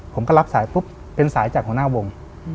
ผมก็รับสายปุ๊บเป็นสายจากหัวหน้าวง